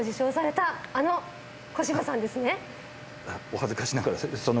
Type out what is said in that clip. お恥ずかしながら。